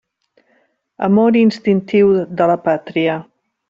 Amor instintiu de la pàtria.